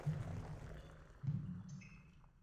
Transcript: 高糖高盐不运动